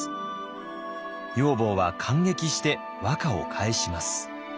女房は感激して和歌を返します。